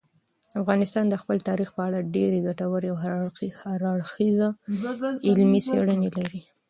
افغانستان د خپل تاریخ په اړه ډېرې ګټورې او هر اړخیزې علمي څېړنې لري.